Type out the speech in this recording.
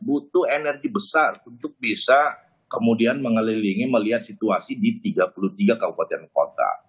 butuh energi besar untuk bisa kemudian mengelilingi melihat situasi di tiga puluh tiga kabupaten kota